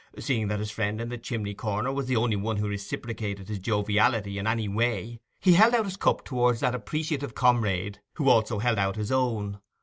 Seeing that his friend in the chimney corner was the only one who reciprocated his joviality in any way, he held out his cup towards that appreciative comrade, who also held out his own.